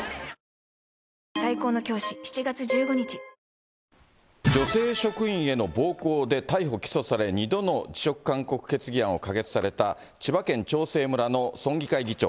ニトリ女性職員への暴行で逮捕・起訴され、２度の辞職勧告決議案を可決された、千葉県長生村の村議会議長。